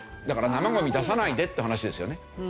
だから生ゴミ出さないでっていう話ですよね。